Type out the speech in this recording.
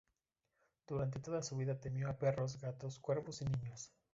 Durante toda su vida temió a perros, gatos, cuervos y niños.